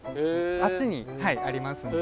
あっちにありますんで。